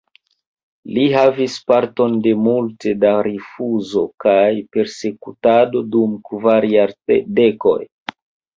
Li havis parton de multe da rifuzo kaj persekutado dum kvar jardekoj.